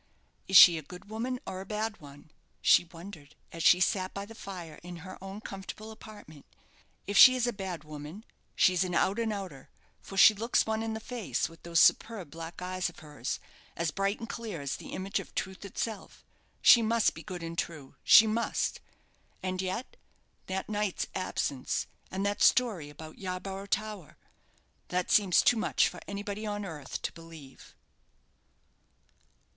"Is she a good woman or a bad one?" she wondered, as she sat by the fire in her own comfortable apartment. "If she is a bad woman, she's an out and outer; for she looks one in the face, with those superb black eyes of hers, as bright and clear as the image of truth itself. She must be good and true. She must! And yet that night's absence, and that story about Yarborough Tower that seems too much for anybody on earth to believe."